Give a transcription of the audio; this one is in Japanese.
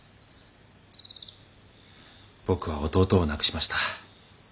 僕は弟を亡くしました。